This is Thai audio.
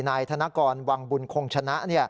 นายธนกรวังบุญคงชนะ